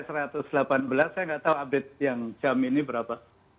saya nggak tahu update yang jam ini berapa